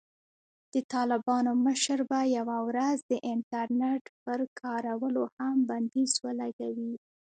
د طالبانو مشر به یوه ورځ د "انټرنېټ" پر کارولو هم بندیز ولګوي.